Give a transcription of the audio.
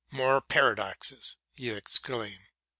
"More paradoxes!" you exclaim.